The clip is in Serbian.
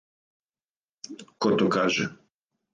Ко то каже.